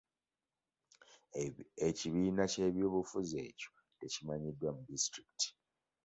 Ekibiina ky'ebyobufuzi ekyo tekimanyiddwa mu disitulikiti .